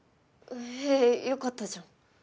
へぇよかったじゃん